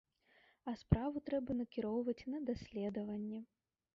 А справу трэба накіроўваць на даследаванне.